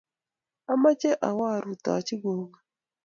Amoche awo arutochi gogo.